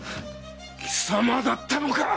貴様だったのか！